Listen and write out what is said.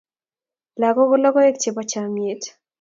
lagok ko logoek chebo chamiet